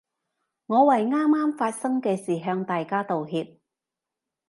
我為啱啱發生嘅事向大家道歉